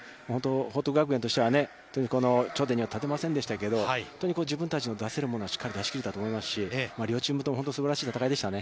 報徳学園としては本当に頂点には立てませんでしたけれども、自分たちの出せるものをしっかり出しきれたと思いますし、両チームとも本当にすばらしい戦いでしたね。